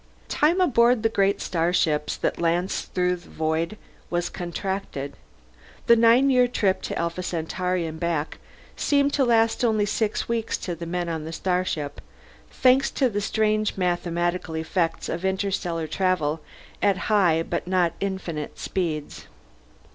Time aboard the great starships that lanced through the void was contracted; the nine year trip to Alpha Centauri and back seemed to last only six weeks to the men on the ship, thanks to the strange mathematical effects of interstellar travel at high but not infinite speeds.